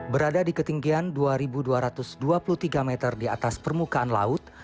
berada di ketinggian dua dua ratus dua puluh tiga meter di atas permukaan laut